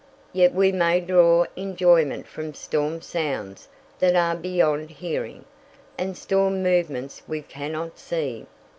Yet we may draw enjoyment from storm sounds that are beyond hearing, and storm movements we cannot see.